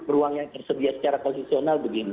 ruang yang tersedia secara konstitusional begini